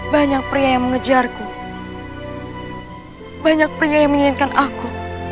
banyak pria yang mengejarku banyak pria yang menginginkan aku